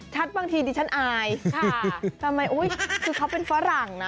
บางทีดิฉันอายค่ะทำไมคือเขาเป็นฝรั่งนะ